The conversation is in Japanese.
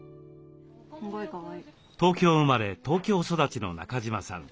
東京生まれ東京育ちの中島さん。